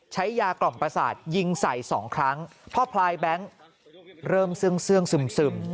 ใช้ยากล่อมประสาทยิงใส่สองครั้งพอพลายแบงค์เริ่มเสื่องซึม